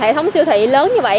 hệ thống siêu thị lớn như vậy